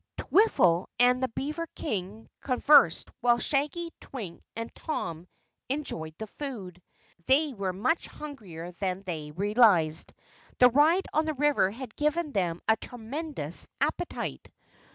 Twiffle and the beaver King conversed while Shaggy, Twink, and Tom enjoyed the food. They were much hungrier than they realized; the ride on the river had given them a tremendous appetite.